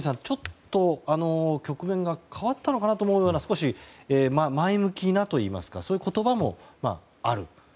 ちょっと局面が変わったのかなと思うような少し前向きなといいますかそういう言葉もある。